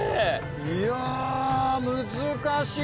いや難しい！